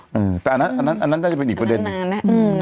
อืมแต่อันนั้นอันนั้นอันนั้นก็จะเป็นอีกประเด็นอันนั้นอันนั้นอืม